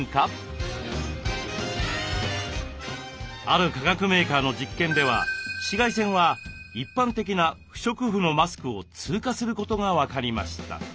ある化学メーカーの実験では紫外線は一般的な不織布のマスクを通過することが分かりました。